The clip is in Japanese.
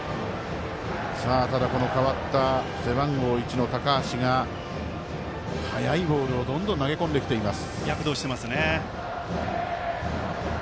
ただ、代わった背番号１の高橋が速いボールをどんどん投げ込んできています。